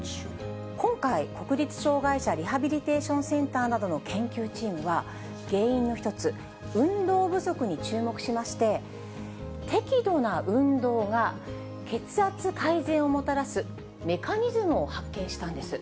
今回、国立障害者リハビリテーションセンターなどの研究チームは、原因の一つ、運動不足に注目しまして、適度な運動が血圧改善をもたらすメカニズムを発見したんです。